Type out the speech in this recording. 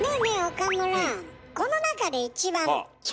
岡村。